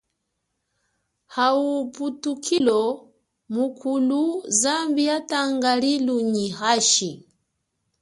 Ha ubutukilo mukulu zambi yatanga lilu nyi hashi.